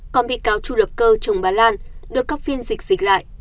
còn bị cáo chu lập cơ chồng bà lan được các phiên dịch dịch lại